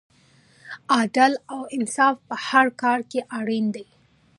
عدل او انصاف په هر کار کې اړین دی.